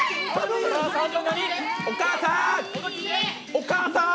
お母さーん！